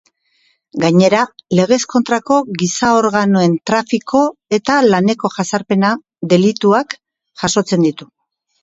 Gainera, legez kontrako giza-organoen trafiko eta laneko jazarpena delituak jasotzen ditu.